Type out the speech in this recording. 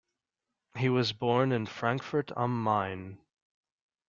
He was born in Frankfurt am Main.